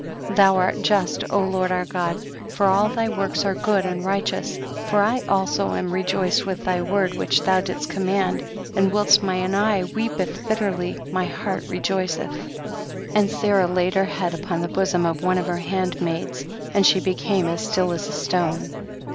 Thou art just Lord our God, for all thy works are good and righ teous ; for I also am rejoiced with thy word which thou didst command, and whilst mine eye weepeth bitterly 7}iy heart rcjoiceth. 83. And Sarah laid her head upon the bosom of one of her handmaids, and she became as still as a stone.